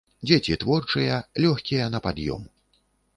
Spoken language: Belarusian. Дзеці творчыя, лёгкія на пад'ём.